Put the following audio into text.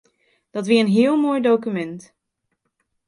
Dat wie in heel moai dokumint.